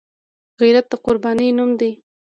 غیرت د قربانۍ نوم دی